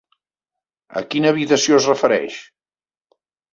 A quina habitació es refereix?